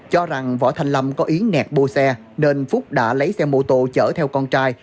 cho rằng võ thanh lâm có ý nẹt bô xe nên phúc đã lấy xe mô tô chở theo con trai